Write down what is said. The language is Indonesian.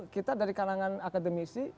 kita dari kalangan akademisi